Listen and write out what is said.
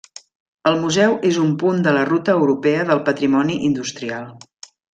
El museu és un punt de la Ruta Europea del Patrimoni Industrial.